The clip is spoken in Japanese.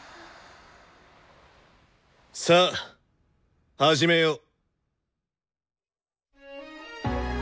さあ始めよう。